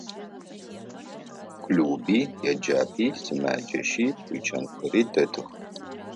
Клуби, еджапӏи, сымэджэщи, тучанхэри дэтых.